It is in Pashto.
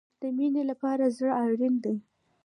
د مینې لپاره زړه اړین دی